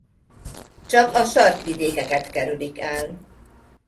Csak a sarkvidékeket kerülik el.